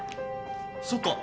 そっか。